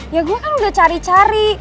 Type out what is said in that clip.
ya gue kan udah cari cari